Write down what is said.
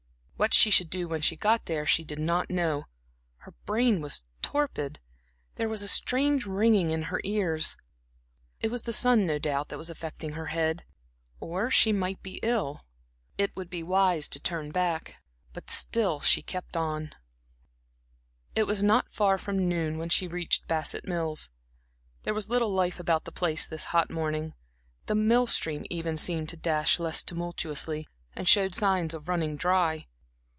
What she should do when she got there she did not know; her brain was torpid, there was a strange ringing in her ears. It was the sun, no doubt, that was affecting her head; it would be wise to turn back, or she might be ill. But still she kept on. It was not far from noon when she reached Bassett Mills. There was little life about the place this hot morning; the mill stream even seemed to dash less tumultuously, and showed signs of running dry.